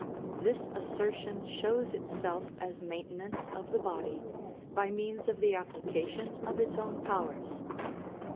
This assertion shows itself as maintenance of the body, by means of the application of its own powers.